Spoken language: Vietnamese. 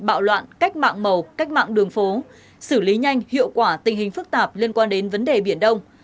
bạo loạn cách mạng màu cách mạng đường phố xử lý nhanh hiệu quả tình hình phức tạp liên quan đến vấn đề biển đông